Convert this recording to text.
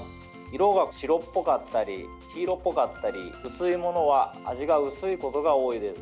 色が白っぽかったり黄色っぽかったり、薄いものは味が薄いことが多いです。